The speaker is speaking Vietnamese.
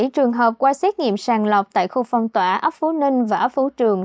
hai mươi bảy trường hợp qua xét nghiệm sàng lọc tại khu phong tỏa ấp phú ninh và ấp phú trường